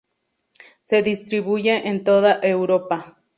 Se distribuye en toda Europa.